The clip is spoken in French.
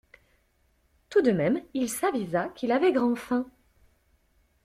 Tout de même il s'avisa qu'il avait grand faim.